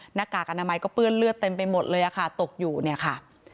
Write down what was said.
หน้ากากอนามัยก็เปื้อนเลือดเต็มไปหมดเลยค่ะตกอยู่เนี่ยค่ะ